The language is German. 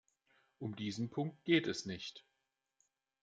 Um diesen Punkt geht es nicht.